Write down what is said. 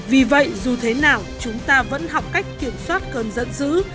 vì vậy dù thế nào chúng ta vẫn học cách kiểm soát cơn giận dữ